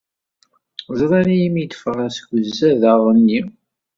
Ẓran-iyi mi d-ffɣeɣ seg uzadaɣ-nni.